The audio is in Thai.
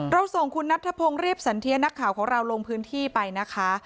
ส่งคุณนัทธพงศ์เรียบสันเทียนักข่าวของเราลงพื้นที่ไปนะคะ